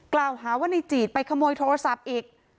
กล่าวหาว่าในจีดไปขโมยโทรศัพท์อีก